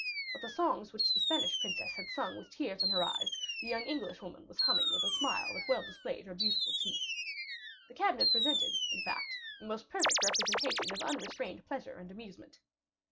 But the songs which the Spanish princess had sung with tears in her eyes, the young Englishwoman was humming with a smile that well displayed her beautiful teeth. The cabinet presented, in fact, the most perfect representation of unrestrained pleasure and amusement.